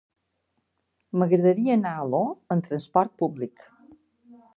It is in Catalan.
M'agradaria anar a Alaior amb transport públic.